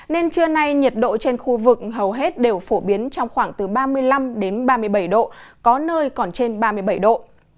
nên trưa nay nhiệt độ trên khu vực hầu hết đều phổ biến trong khoảng từ ba mươi năm đến ba mươi bảy độ có nơi còn trên ba mươi bảy độ